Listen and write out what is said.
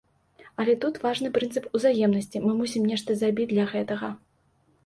Але тут важны прынцып узаемнасці, мы мусім нешта забіць для гэтага.